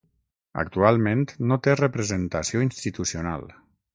Actualment no té representació institucional.